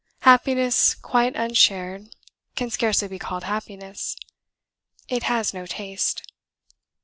Happiness quite unshared can scarcely be called happiness; it has no taste."